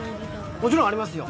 もちろんありますよ。